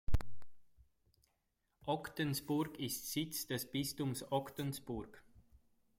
Ogdensburg ist Sitz des Bistums Ogdensburg.